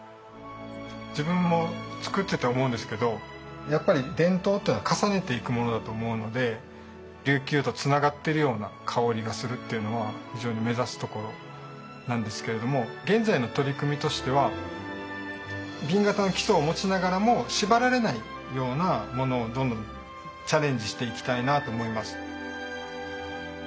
自分も作ってて思うんですけどやっぱり伝統っていうのは重ねていくものだと思うので琉球とつながっているような薫りがするっていうのは非常に目指すところなんですけれども現在の取り組みとしては紅型の基礎を持ちながらも縛られないようなものをどんどんチャレンジしていきたいなと思います。